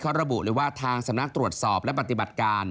เขาระบุเลยว่าทางสำนักตรวจสอบและปฏิบัติการ